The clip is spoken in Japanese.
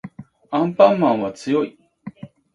アンパンマンは強い